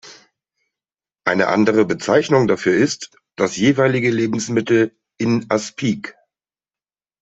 Eine andere Bezeichnung dafür ist das jeweilige Lebensmittel "in Aspik".